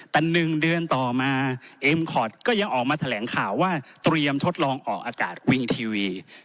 แต่๑เดือนต่อมาเอ็มคอร์ดก็ยังออกมาแถลงข่าวว่าเตรียมทดลองออกอากาศวิงทีวี